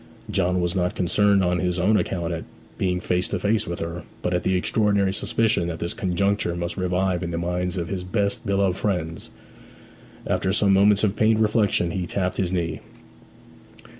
John was not concerned on his own account at being face to face with her, but at the extraordinary suspicion that this conjuncture must revive in the minds of his best beloved friends. After some moments of pained reflection he tapped his knee.